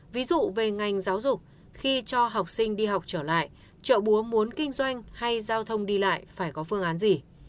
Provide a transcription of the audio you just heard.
ví dụ về ngành giáo dục khi cho học sinh đi học trở lại chợ búa muốn kinh doanh hay giao thông đi lại phải có phương án gì